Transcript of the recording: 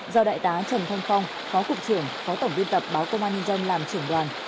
do đại tá trần thanh phong phó cục trưởng phó tổng biên tập báo công an nhân dân làm trưởng đoàn